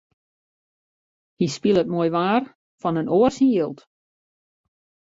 Hy spilet moai waar fan in oar syn jild.